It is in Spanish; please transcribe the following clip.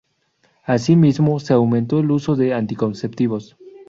Así mismo, se aumentó el uso de anticonceptivos.